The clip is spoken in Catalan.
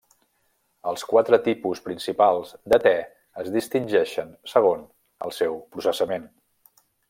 Els quatre tipus principals de te es distingeixen segons el seu processament.